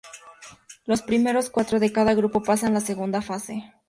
Los primeros cuatro de cada grupo pasan a la segunda fase.